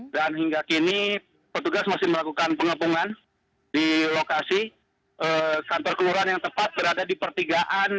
dan hingga kini petugas masih melakukan pengepungan di lokasi kantor kelurahan yang tepat berada di pertigaan